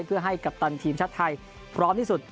เพื่อให้กัปตันทีมชาติไทยพร้อมที่สุด